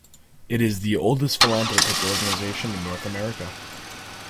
It is the oldest philanthropic organization in North America.